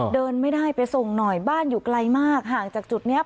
เดินไม่ได้ไปส่งหน่อยบ้านอยู่ไกลมากห่างจากจุดนี้